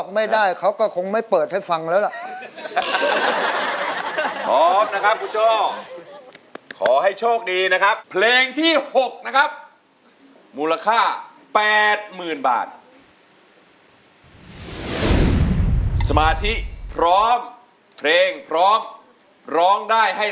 ไม่ยอมรักก็ยังตอบใจผมทำเท่าไรไม่เคยปราณีตัก